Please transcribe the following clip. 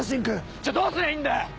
じゃあどうすりゃいいんだよ！